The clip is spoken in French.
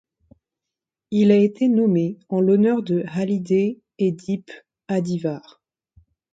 Il a été nommé en l'honneur de Halide Edip Adıvar.